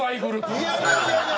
いやいやいやいや！